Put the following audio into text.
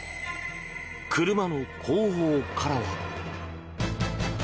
車の後方からは。